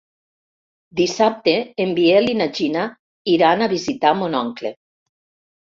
Dissabte en Biel i na Gina iran a visitar mon oncle.